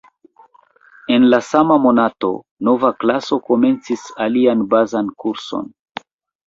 En la sama monato, nova klaso komencis alian bazan kurson.